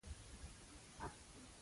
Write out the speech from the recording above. څه باندې دېرش کاله یې قدرت په لاس کې وو.